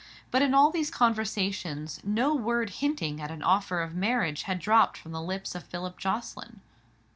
But in all these conversations no word hinting at an offer of marriage had dropped from the lips of Philip Jocelyn.